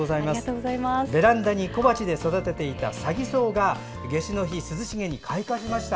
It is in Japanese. ベランダに小鉢で育てていたサギソウが夏至の日、涼しげに開花しました。